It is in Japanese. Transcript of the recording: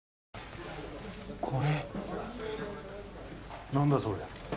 これ何だそれ？